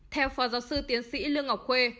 theo phó giáo sư tiến sĩ lương ngọc khuê